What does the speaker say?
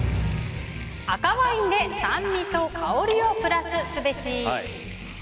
赤ワインで酸味と香りをプラスすべし。